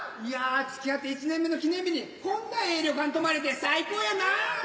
いやつきあって１年目の記念日にこんなええ旅館泊まれて最高やな。